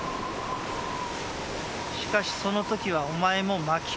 しかしその時はお前も巻き込む。